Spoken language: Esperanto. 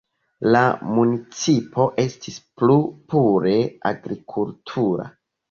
La municipo estis plu pure agrikultura.